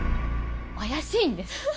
怪しいんです。